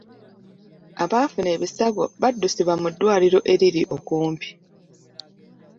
Abaafuna ebisago b'addusibwa mu ddwaliro eriri okumpi.